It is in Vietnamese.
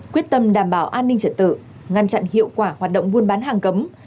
quyết tâm đảm bảo an ninh trật tự ngăn chặn hiệu quả hoạt động buôn bán hàng cấm